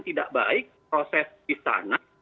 tidak baik proses istana